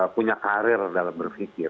punya karir dalam berpikir